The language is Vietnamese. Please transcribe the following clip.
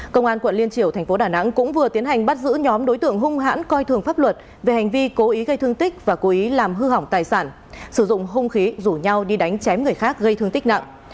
công an quận liên triều thành phố đà nẵng cũng vừa tiến hành bắt giữ nhóm đối tượng hung hãn coi thường pháp luật về hành vi cố ý gây thương tích và cố ý làm hư hỏng tài sản sử dụng hung khí rủ nhau đi đánh chém người khác gây thương tích nặng